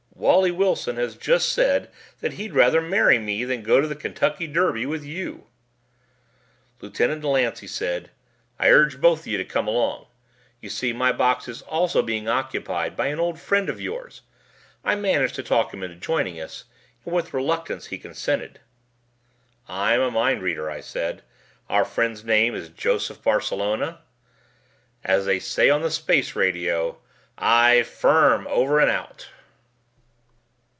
"Wally Wilson has just said that he'd rather marry me than go to the Kentucky Derby with you." Lieutenant Delancey said, "I urge you both to come along. You see, my box is also being occupied by an old friend of yours. I managed to talk him into joining us, and with reluctance he consented." "I'm a mind reader," I said. "Our friend's name is Joseph Barcelona?" "As they say on the space radio, 'Aye firm, over and out!'"